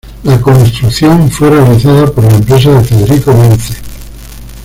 La construcción fue realizada por la empresa de Federico Bence.